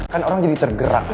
kan orang jadi tergerak